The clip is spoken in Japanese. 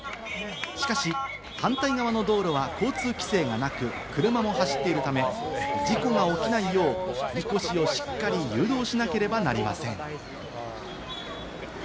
しかし、反対側の道路は交通規制がなく、車も走っているため、事故が起きないよう、みこしをしっかり誘導しなければなりません。